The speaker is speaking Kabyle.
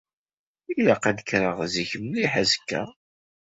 Ilaq ad d-kkreɣ zik mliḥ azekka.